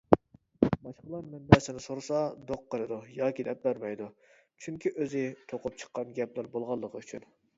باشقىلار مەنبەسىنى سورىسا دوق قىلىدۇ ياكى دەپ بەرمەيدۇ، چۈنكى ئۆزى توقۇپ چىققان گەپلەر بولغانلىقى ئۈچۈن.